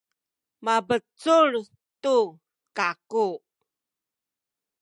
mabecul tu kaku.